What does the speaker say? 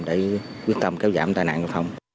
để quyết tâm kéo giảm tài nạn giao thông